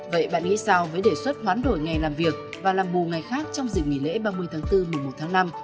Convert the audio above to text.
vậy bạn nghĩ sao với đề xuất khoán đổi ngày làm việc và làm bù ngày khác trong dịch nghỉ lễ ba mươi tháng bốn một mươi một tháng năm